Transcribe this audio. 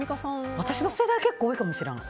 私の世代結構多いかもしれない。